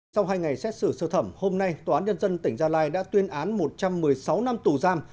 sau hai ngày xét xử sơ thẩm hôm nay tòa án nhân dân tỉnh gia lai đã tuyên án một trăm một mươi sáu năm tù giam